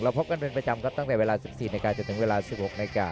เราพบกันเป็นประจำตั้งแต่เวลา๑๔นิกาจนถึงเวลา๑๖นิกา